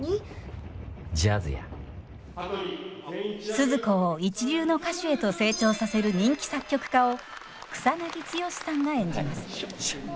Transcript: スズ子を一流の歌手へと成長させる人気作曲家を草剛さんが演じます。